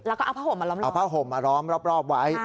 แล้วก็เอาผ้าห่มมาล้อมเอาผ้าห่มมาล้อมรอบไว้